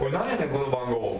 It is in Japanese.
この番号。